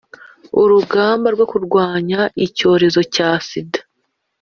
urugamba rwo kurwanya icyorezo cya sida.